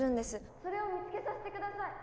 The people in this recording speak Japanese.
・それを見つけさせて下さい！